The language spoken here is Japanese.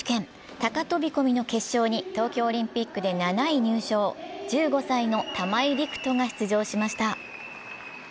高飛込の決勝に東京オリンピックで７位入賞、１５歳の玉井陸斗が出場しました。